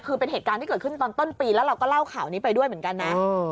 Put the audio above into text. คือเป็นเหตุการณ์ที่เกิดขึ้นตอนต้นปีแล้วเราก็เล่าข่าวนี้ไปด้วยเหมือนกันนะ